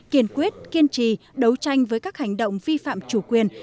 kiên quyết kiên trì đấu tranh với các hành động vi phạm chủ quyền